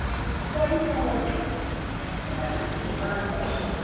La reacción es inusual en que el anhídrido reacciona con el anillo aromático.